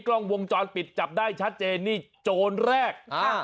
กล้องวงจรปิดจับได้ชัดเจนนี่โจรแรก